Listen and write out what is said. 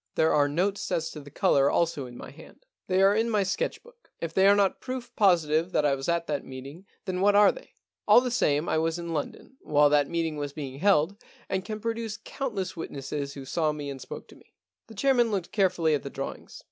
There are notes as to the colour also in my hand. They are in my sketch book. If they are not proof positive that I was at that meeting, then what are they ? All the same I was in London while that meeting was being held, and can produce countless witnesses who saw me and spoke to me.' The chairman looked carefully at the draw ings.